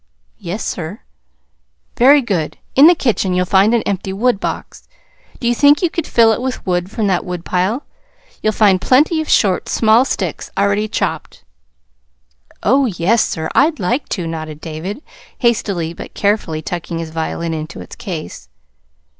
"Yes, sir." "Very good. In the kitchen you'll find an empty woodbox. Do you think you could fill it with wood from that woodpile? You'll find plenty of short, small sticks already chopped." "Oh, yes, sir, I'd like to," nodded David, hastily but carefully tucking his violin into its case.